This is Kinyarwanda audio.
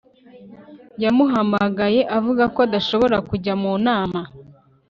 Yamuhamagaye avuga ko adashobora kujya mu nama